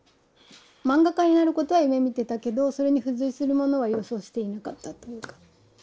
漫画家になることは夢みてたけどそれに付随するものは予想していなかったというか。